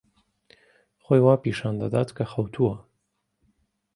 خۆی وا پیشان دەدا کە خەوتووە.